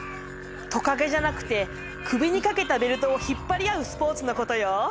トカゲじゃなくて首にかけたベルトを引っ張り合うスポーツのことよ。